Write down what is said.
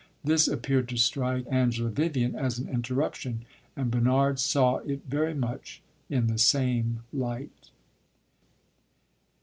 This appeared to strike Angela Vivian as an interruption, and Bernard saw it very much in the same light.